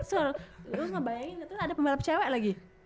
terus ngebayangin tuh ada pembalap cewek lagi